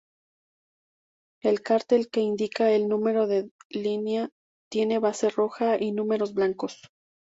El cartel que indica el número de línea tiene base roja y números blancos.